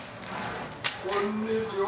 こんにちは。